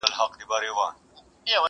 چي په هرځای کي مي وغواړی او سېږم.!